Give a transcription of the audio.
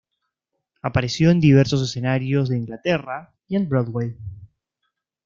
Apareció en diversos escenarios de Inglaterra, y en Broadway.